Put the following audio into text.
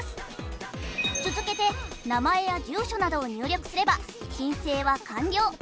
続けて名前や住所などを入力すれば申請は完了。